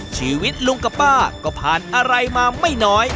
ชีวิตลุงกับป้าก็ผ่านอะไรมาไม่น้อย